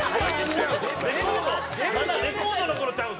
レコードまだレコードの頃ちゃうん？